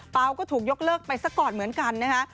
ก็ถูกยกเลิกไปซะก่อนเหมือนกันนะคะ